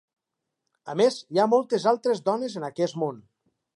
A més, hi ha moltes altres dones en aquest món.